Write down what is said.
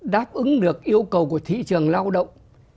đáp ứng được yêu cầu của thị trường lao động